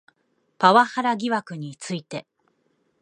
パワハラ疑惑について